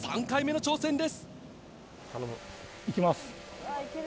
３回目の挑戦。